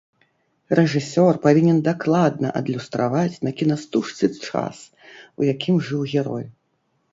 Рэжысёр павінен дакладна адлюстраваць на кінастужцы час, у якім жыў герой.